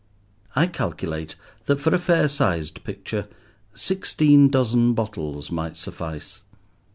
I calculate that for a fair sized picture sixteen dozen bottles might suffice.